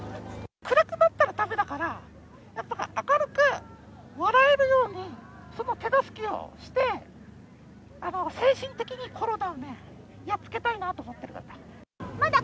暗くなったらだめだから、やっぱり明るく笑えるように、その手助けをして、精神的にコロナをやっつけたいなと思ってるんだ。